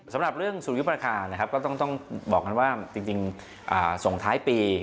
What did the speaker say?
สำหรับเรื่องสุริยุปราคานะครับก็ต้องบอกกันว่าจริงส่งท้ายปี